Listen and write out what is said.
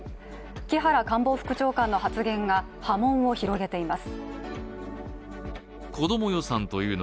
木原官房副長官の発言が波紋を広げています。